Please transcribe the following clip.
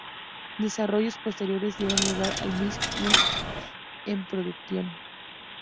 Desarrollos posteriores dieron lugar al misil Krug, en producción.